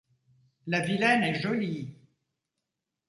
La vilaine est jolie !